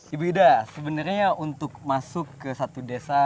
ibu ida sebenarnya untuk masuk ke satu desa